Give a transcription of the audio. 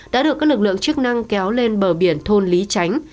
đã được các lực lượng chức năng kéo lên bờ biển thôn lý tránh